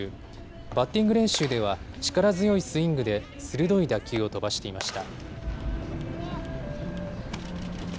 バッティング練習では、力強いスイングで鋭い打球を飛ばしていました。